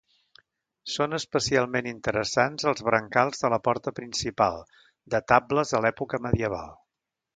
Són especialment interessants els brancals de la porta principal, datables a l'època medieval.